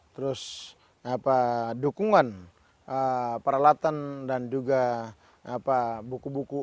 terus dukungan peralatan dan juga buku buku